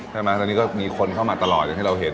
ใช่ไหมตอนนี้ก็มีคนเข้ามาตลอดอย่างที่เราเห็น